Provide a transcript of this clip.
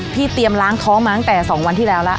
เตรียมล้างท้องมาตั้งแต่๒วันที่แล้วแล้ว